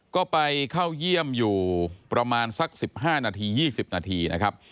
ก็ไปเข้าเยี่ยมอยู่ประมาณสัก๑๕นาที๒๐นาทีนะครับ